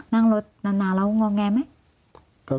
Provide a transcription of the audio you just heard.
นั่งรถนานแล้วงอแงไหม